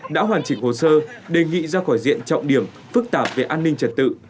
đã hoàn chỉnh hồ sơ đề nghị ra khỏi diện trọng điểm phức tạp về an ninh trật tự